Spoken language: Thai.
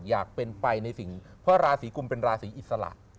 อยากเป็นไปในสิ่งเพราะราศีกุมเป็นราศีอิสระ